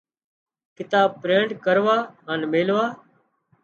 ڪتاب پرنٽ ڪروا هانَ ميلوا۔